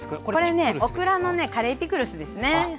これねオクラのねカレーピクルスですね。